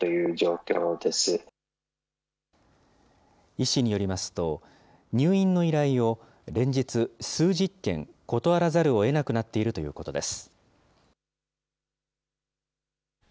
医師によりますと、入院の依頼を連日、数十件、断らざるをえなくなっているということです。